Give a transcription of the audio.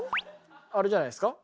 あれじゃないですか？